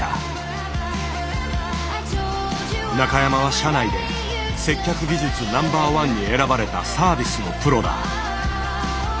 中山は社内で接客技術Ｎｏ．１に選ばれたサービスのプロだ。